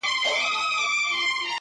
o و مسکين ته د کلا د سپو سلا يوه ده!